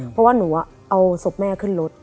เพราะว่าหนูเอาศพแม่ขึ้นรถ